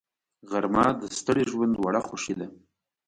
غرمه د ستړي ژوند وړه خوښي ده